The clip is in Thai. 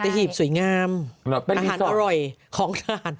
สตหีพสวยงามอาหารอร่อยของท่าน